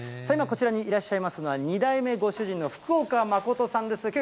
今こちらにいらっしゃいますのは、２代目ご主人の福岡誠さんです。